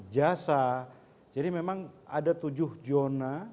jadi memang ada tujuh zona